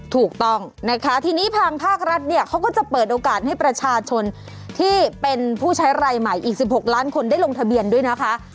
ถูกต้องนะคะทีนี้ทางภาครัฐเนี่ยเขาก็จะเปิดโอกาสให้ประชาชนที่เป็นผู้ใช้รายใหม่อีก๑๖ล้านคนได้ลงทะเบียนด้วยนะคะ